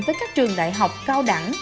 với các trường đại học cao đẳng